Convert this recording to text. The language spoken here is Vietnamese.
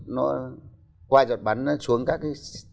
nó qua giọt bánh nó xuống các cái